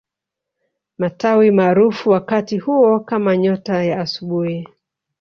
Matawi maarufu wakati huo kama nyota ya asubuhi